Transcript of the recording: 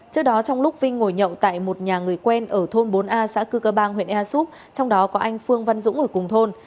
trước đó trong lúc vinh ngồi nhậu tại một nhà người quen ở thôn bốn a xã cư cơ bang huyện ea súp trong đó có anh phương văn dũng ở cùng thôn